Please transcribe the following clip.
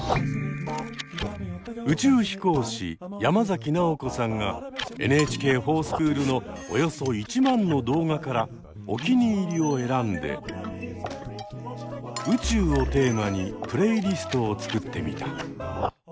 宇宙飛行士山崎直子さんが「ＮＨＫｆｏｒＳｃｈｏｏｌ」のおよそ１万の動画からおきにいりを選んで「宇宙」をテーマにプレイリストを作ってみた。